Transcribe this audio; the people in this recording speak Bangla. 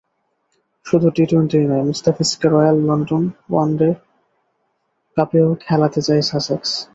শুধু টি-টোয়েন্টিই নয়, মুস্তাফিজকে রয়্যাল লন্ডন ওয়ানডে কাপেও খেলাতে চায় সাসেক্স।